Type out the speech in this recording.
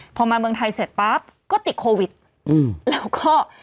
พอมาเมืองไทยเสร็จปั๊บก็ติดโควิดแล้วก็